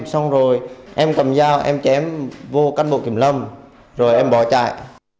xong rồi em cầm dao em chém vô can bộ kiểm lâm rồi em bỏ chạy